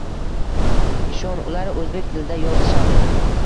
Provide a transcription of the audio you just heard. Ishon, ular oʻzbek tilida yozishadi...